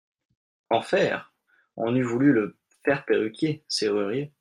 Qu'en faire ? On eût voulu le faire perruquier, serrurier.